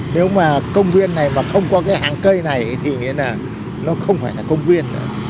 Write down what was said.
nếu mà công viên này mà không có cái hàng cây này thì nghĩa là nó không phải là công viên nữa